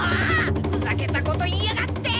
ふざけたこと言いやがって！